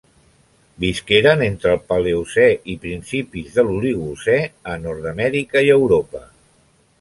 Visqueren entre el Paleocè i principis de l'Oligocè a Nord-amèrica i Europa.